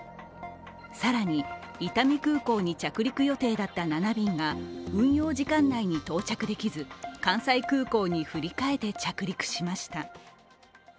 更に、伊丹空港に着陸予定だった７便が運用時間内に到着できず、関西空港に振り替えて着陸しました。